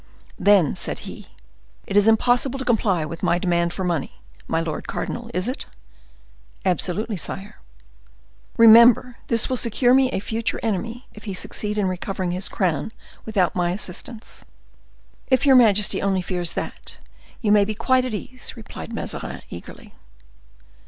"Then," said he, "it is impossible to comply with my demand for money, my lord cardinal, is it?" "Absolutely, sire." "Remember, this will secure me a future enemy, if he succeed in recovering his crown without my assistance." "If your majesty only fears that, you may be quite at ease," replied Mazarin, eagerly.